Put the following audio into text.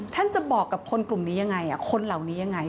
ท่านจะบอกกับคนกลุ่มนี้ยังไงคนเหล่านี้ยังไง